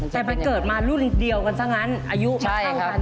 แต่มันเกิดมารุ่นเดียวกันซะงั้นอายุมันเท่ากันซะงั้น